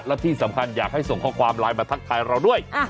และที่สำคัญอยากให้ส่งข้อความไลน์มาทักทายเราด้วย